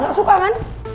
gak suka kan